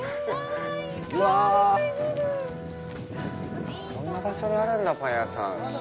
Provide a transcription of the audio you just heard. うわ、こんな場所にあるんだパン屋さん。